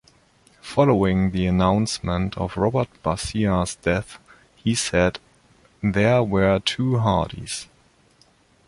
Following the announcement of Robert Barcia's death he said: There were two Hardys.